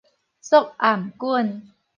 束頷頸